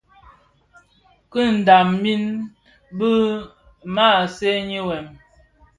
Kidhaň min bi maa seňi wêm,